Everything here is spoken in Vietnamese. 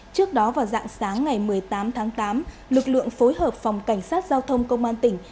trước đó vào dạng sáng ngày một mươi tám tháng tám lực lượng phối hợp phòng cảnh sát giao thông công an tỉnh